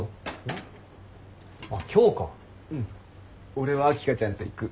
俺は秋香ちゃんと行く。